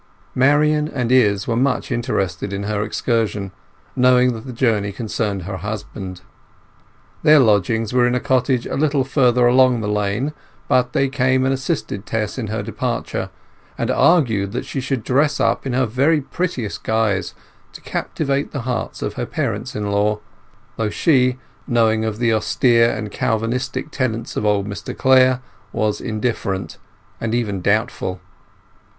Marian and Izz were much interested in her excursion, knowing that the journey concerned her husband. Their lodgings were in a cottage a little further along the lane, but they came and assisted Tess in her departure, and argued that she should dress up in her very prettiest guise to captivate the hearts of her parents in law; though she, knowing of the austere and Calvinistic tenets of old Mr Clare, was indifferent, and even doubtful.